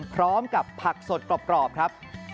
พร้อมกับผักสดกรอบครับ